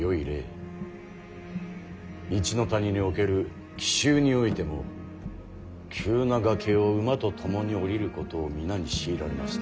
一ノ谷における奇襲においても急な崖を馬と共に下りることを皆に強いられました。